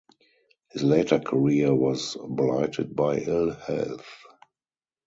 His later career was blighted by ill health.